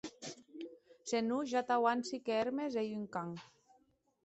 Se non, ja t'auanci que Hermes ei un can.